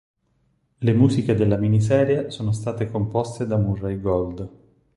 Le musiche della miniserie sono state composte da Murray Gold.